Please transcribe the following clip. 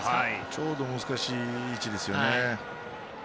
ちょうど難しい位置ですからね。